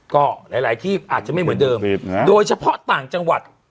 ก็หลายที่อาจจะไม่เหมือนเดิมโดยเฉพาะต่างจังหวัด